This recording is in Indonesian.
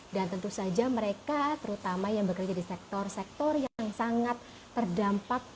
dan tentu saja mereka terutama yang bekerja di sektor sektor yang sangat terdampak